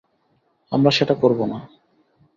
আমরা সেটা করবো না।